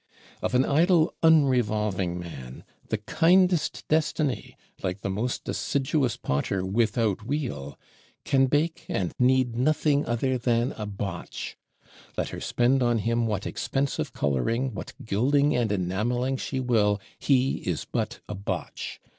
Of an idle unrevolving man the kindest Destiny, like the most assiduous Potter without wheel, can bake and knead nothing other than a botch; let her spend on him what expensive coloring, what gilding and enameling she will, he is but a botch.